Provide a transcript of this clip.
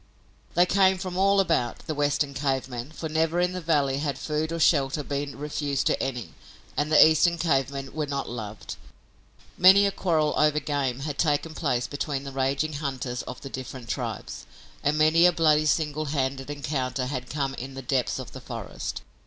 They came from all about, the Western cave men, for never in the valley had food or shelter been refused to any and the Eastern cave men were not loved. Many a quarrel over game had taken place between the raging hunters of the different tribes, and many a bloody single handed encounter had come in the depths of the forest.